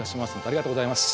ありがとうございます。